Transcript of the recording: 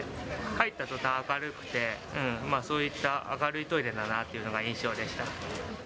入ったとたん、明るくて、そういった明るいトイレだなというのが印象でした。